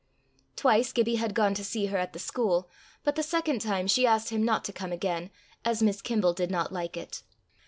Twice Gibbie had gone to see her at the school, but the second time she asked him not to come again, as Miss Kimble did not like it.